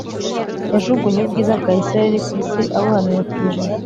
Yajugunye ubwiza bwa Isirayeli ku isi abuhanuye ku ijuru.